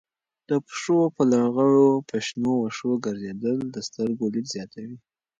د پښو په لغړو په شنو وښو ګرځېدل د سترګو لید زیاتوي.